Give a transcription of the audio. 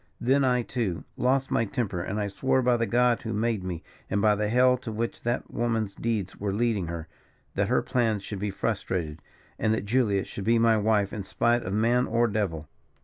Then, I, too, lost my temper; and I swore by the God who made me, and by the hell to which that woman's deeds were leading her, that her plans should be frustrated, and that Julia should be my wife in spite of man or devil.